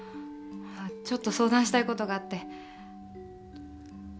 ちょっと相談したいことがあって